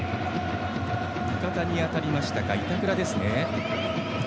味方に当たりました板倉ですね。